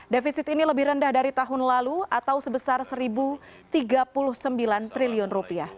defisit ini lebih rendah dari tahun lalu atau sebesar rp satu tiga puluh sembilan triliun